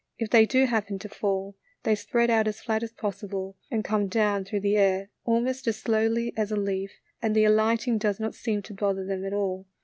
If they do happen to fall, they spread out as flat as possible, and come down through the air almost as slowly as a leaf, and the alighting does not seem to bother them at all.